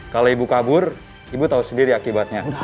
kalau ibu kabur ibu tahu sendiri akibatnya